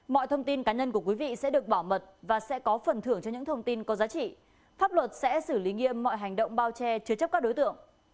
mọi thông tin cá nhân của quý vị sẽ được bảo mật và sẽ có phần thưởng cho những thông tin có giá trị pháp luật sẽ xử lý nghiêm mọi hành động bao che chứa chấp các đối tượng